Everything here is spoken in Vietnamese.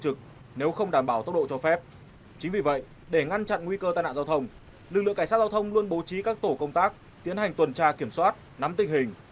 thực lượng cảnh sát giao thông luôn bố trí các tổ công tác tiến hành tuần tra kiểm soát nắm tình hình